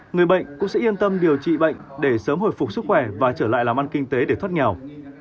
người bệnh cũng sẽ yên tâm điều trị bệnh để sớm hồi phục sức khỏe và trở lại làm ăn kinh tế để thoát nghèo